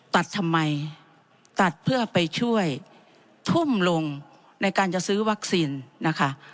ตัดทำไมตัดเพื่อไปช่วยทุ่มลงในการจะซื้อวัคซีนนะคะ